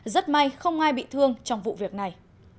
rất may không ai bị thương trong vụ việc này